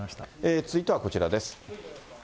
続いてはこちらです。